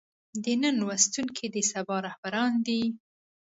د نن لوستونکي د سبا رهبران دي.